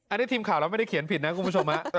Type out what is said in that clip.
อันนี้ทีมข่าวเราไม่ได้เขียนผิดนะคุณผู้ชม